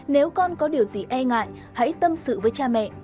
nếu con có điều gì e ngại hãy tâm sự với cha mẹ